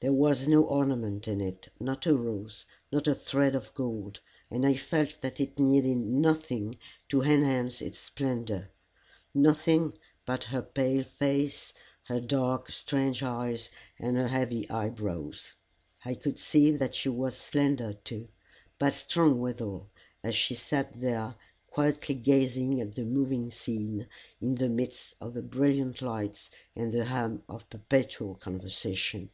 There was no ornament in it, not a rose, not a thread of gold, and I felt that it needed nothing to enhance its splendor; nothing but her pale face, her dark strange eyes, and her heavy eyebrows. I could see that she was slender too, but strong withal, as she sat there quietly gazing at the moving scene in the midst of the brilliant lights and the hum of perpetual conversation.